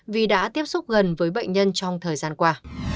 vì đã tiếp xúc gần với bệnh nhân trong thời gian qua